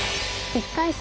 １回戦